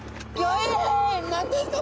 何ですか？